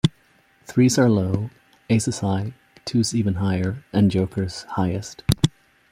Threes are low, Aces high, Twos even higher and Jokers highest.